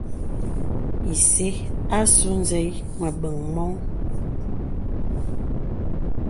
Ìsə àsū zèì məbəŋ mɔ̄ŋ.